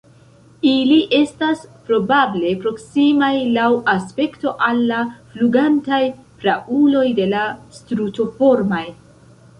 Ili estas probable proksimaj laŭ aspekto al la flugantaj prauloj de la Strutoformaj.